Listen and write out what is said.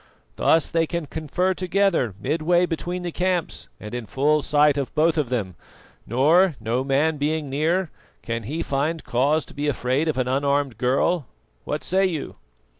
Thus they can confer together midway between the camps and in full sight of both of them, nor, no man being near, can he find cause to be afraid of an unarmed girl. What say you?"